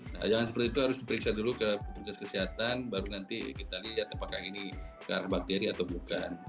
nah jangan seperti itu harus diperiksa dulu ke petugas kesehatan baru nanti kita lihat apakah ini karena bakteri atau bukan